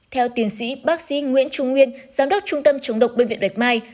theo tiến sĩ bác sĩ nguyễn trung nguyên giám đốc trung tâm chống độc bệnh viện bạch mai